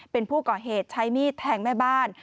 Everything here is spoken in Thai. เป็นผู้ก่อเหตุใช้มีดแทงแม่บ้าน